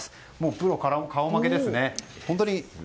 プロ顔負けですね。